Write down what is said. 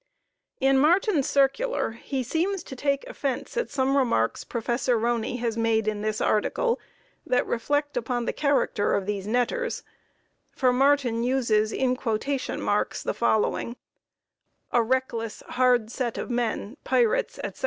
In Martin's circular, he seems to take offense at some remarks Prof. Roney has made in this article that reflect upon the character of these netters, for Martin uses in quotation marks the following: "A reckless, hard set of men, pirates, etc.